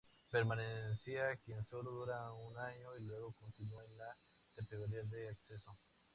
Permanencia que sólo dura un año, y luego continuar en la categoría de ascenso.